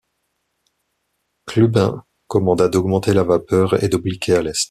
Clubin commanda d’augmenter la vapeur et d’obliquer à l’est.